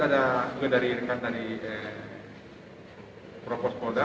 kemudian ada dari rekan rekan dari provos polda